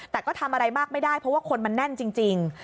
แต่ก็ทำอะไรมากไม่ได้เพราะว่าคนมันแน่นจริง